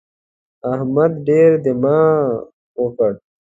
احمد ډېر دماغ وکړ.